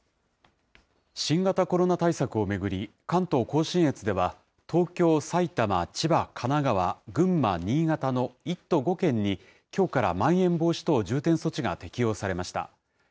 新型コロナ対策を巡り、関東甲信越では、東京、埼玉、千葉、神奈川、群馬、新潟の１都５県に、きょうからまん延防止等重点措置が適用されました。